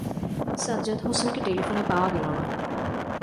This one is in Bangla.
সাজ্জাদ হোসেনকে টেলিফোনে পাওয়া গেল না।